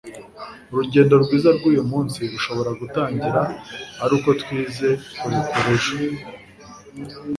urugendo rwiza rw'uyu munsi rushobora gutangira ari uko twize kurekura ejo - steve maraboli